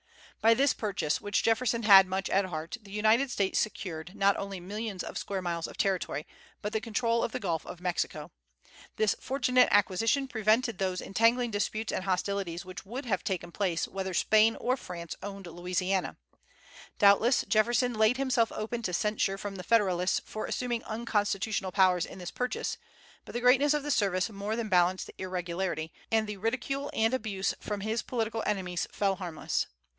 By this purchase, which Jefferson had much at heart, the United States secured, not only millions of square miles of territory, but the control of the Gulf of Mexico. This fortunate acquisition prevented those entangling disputes and hostilities which would have taken place whether Spain or France owned Louisiana. Doubtless, Jefferson laid himself open to censure from the Federalists for assuming unconstitutional powers in this purchase; but the greatness of the service more than balanced the irregularity, and the ridicule and abuse from his political enemies fell harmless.